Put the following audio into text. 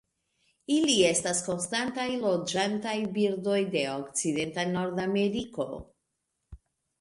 Ili estas konstantaj loĝantaj birdoj de okcidenta Nordameriko.